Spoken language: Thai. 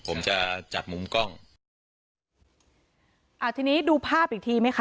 ผมจะจับมุมกล้องอ่าทีนี้ดูภาพอีกทีไหมคะ